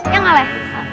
ya gak lah